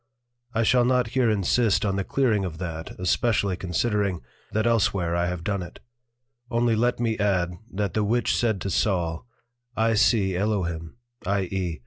I shall not here insist on the clearing of that, especially considering, that elsewhere I have done it: only let me add, that the Witch said to Saul, I see Elohim, i. e.